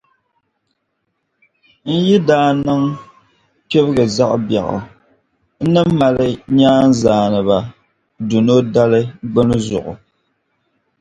N yi daa niŋ kpibiga zaɣ’ biɛɣu, n ni mali nyaanzaaniba dunɔdali gbini zuɣu.